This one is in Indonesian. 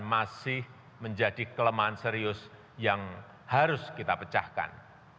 masih menjadi kelemahan serius yang harus kita pecahkan